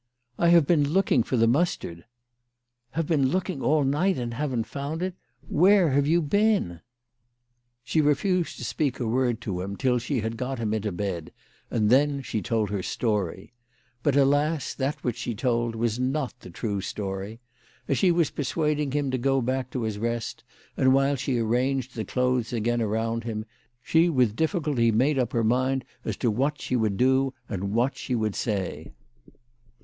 " I have been looking for the mustard." " Have been looking all night and haven't found it ? Where have you been ?" 224 CHRISTMAS AT THOMPSON HALL. She refused to speak a word to him till she had got him into bed, and then she told her story ! But, alas, that which she told was not the true story ! As she was persuading him to go back to his rest, and while she arranged the clothes again around him, she with difficulty made up her mind as to what she would do and what she would say.